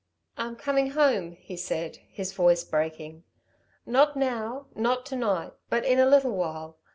"I'm coming home," he said, his voice breaking. "Not now, not to night, but in a little while.